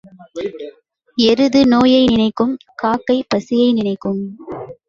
எருது நோயை நினைக்கும் காக்கை பசியை நினைக்கும்.